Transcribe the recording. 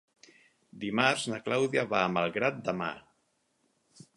Dimarts na Clàudia va a Malgrat de Mar.